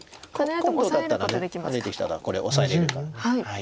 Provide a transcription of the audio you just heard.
今度だったらハネてきたらこれオサえれるから。